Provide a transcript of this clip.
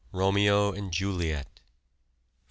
Romeo and Juliet. 4.